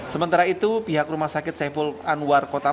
sementara itu pihak rumah sakit sehful anwar kotama